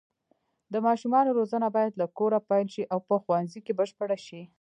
د ماشومانو روزنه باید له کوره پیل شي او په ښوونځي کې بشپړه شي.